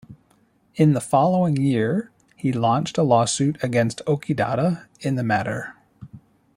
In the following year, he launched a lawsuit against Okidata in the matter.